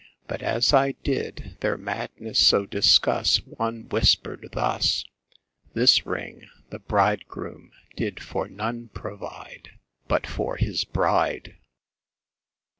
But as I did their madness so discuss One whisper'd thus, "This Ring the Bridegroom did for none provide But for his bride."